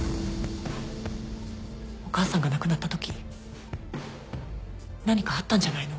お母さんが亡くなったとき何かあったんじゃないの？